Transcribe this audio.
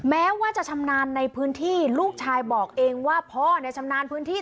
แม้ว่าจะชำนาญในพื้นที่ลูกชายบอกเองว่าพ่อเนี่ยชำนาญพื้นที่